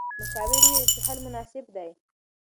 مشاور وویل چې حل مناسب دی.